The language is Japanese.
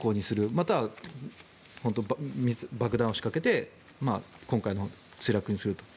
または爆弾を仕掛けて今回の墜落にすると。